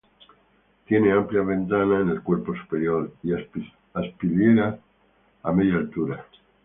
Tiene amplias ventanas en el cuerpo superior y aspilleras a media altura.